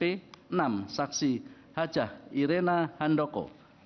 enam saksi hajah irena handoko